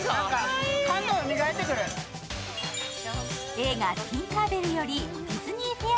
映画「ティンカーベル」よりディズニー・フェア